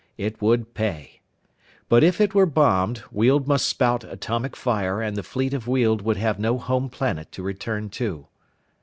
It would pay. But if it were bombed, Weald must spout atomic fire and the fleet of Weald would have no home planet to return to.